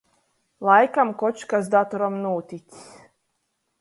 Laikam koč kas datoram nūtics?